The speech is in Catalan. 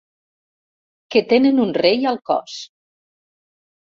Que tenen un rei al cos.